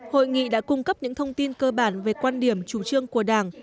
hội nghị đã cung cấp những thông tin cơ bản về quan điểm chủ trương của đảng